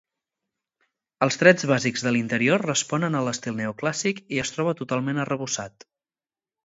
Els trets bàsics de l'interior responen a l'estil neoclàssic i es troba totalment arrebossat.